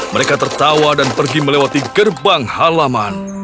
mereka tertawa dan pergi melewati gerbang halaman